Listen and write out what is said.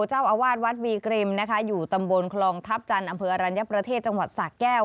เจ้าอาวาสวัดวีกริมนะคะอยู่ตำบลคลองทัพจันทร์อำเภออรัญญประเทศจังหวัดสะแก้ว